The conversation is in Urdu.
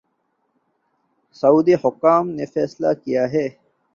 سعودی حکام نے فیصلہ کیا ہے